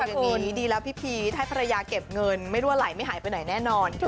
เขาบอกอย่างนี้ดีแล้วพี่พีชถ้าภรรยาเก็บเงินไม่ดัวไหลไม่หายไปไหนแน่นอน